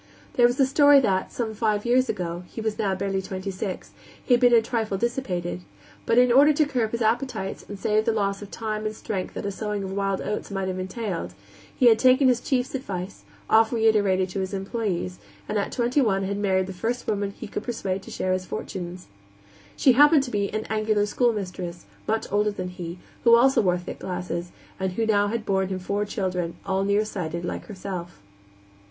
There was a story that, some five years ago he was now barely twenty six he had been a trifle dissipated, but in order to curb his appetites and save the loss of time and strength that a sowing of wild oats might have entailed, he had taken his chief's advice, oft reiterated to his employees, and at twenty one had married the first woman whom he could persuade to share his fortunes. She happened to be an angular schoolmistress, much older than he, who also wore thick glasses, and who had now borne him four children, all nearsighted, like herself.